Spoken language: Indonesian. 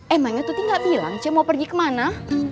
emangnya tuti gak bilang saya mau pergi kemana